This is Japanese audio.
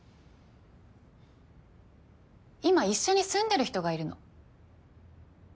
今一緒に住んでる人がいるの。